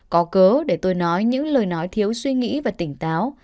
có cớ để tôi nói những lời nói thiếu suy nghĩ và tỉnh táo